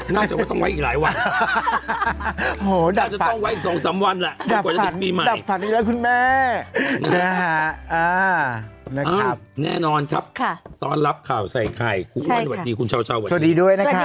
อ๋อน่าจะว่าต้องไว้อีกหลายวันน่าจะต้องไว้อีกสองสามวันแหละไม่กว่าจะติดปีใหม่ดับผันอีกแล้วคุณแม่นะครับแน่นอนครับต้อนรับข่าวใส่ใครคุณวันสวัสดีคุณเช้าสวัสดีด้วยนะคะ